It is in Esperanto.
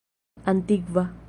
antikva